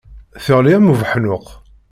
Teɣli am ubeḥnuq.